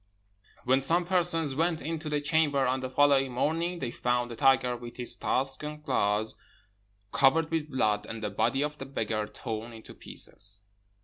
"When some persons went into the chamber on the following morning, they found a tiger with his tusks and claws covered with blood, and the body of the beggar torn into pieces.